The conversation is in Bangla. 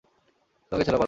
তোমাকে ছাড়া পারব না।